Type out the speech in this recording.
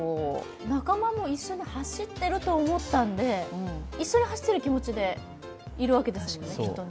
仲間も一緒に走ってると思ったんで一緒に走ってる気持ちでいるわけですもんね、きっとね。